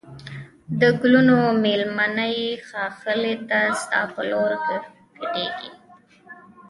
د گلونو مېلمنه یې ښاخلې ستا پر لور کږېږی